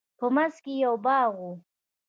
په منځ کښې يې يو باغ و.